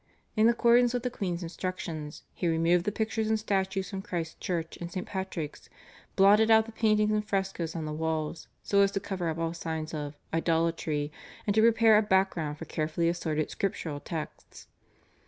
In accordance with the queen's instructions he removed the pictures and statues from Christ's Church and St. Patrick's, blotted out the paintings and frescos on the walls, so as to cover up all signs of "idolatry" and to prepare a back ground for carefully assorted Scriptural texts.